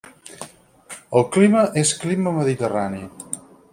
El clima és clima mediterrani.